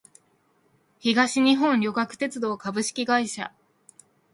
東日本旅客鉄道株式会社